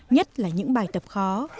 nhất là những bài tập khó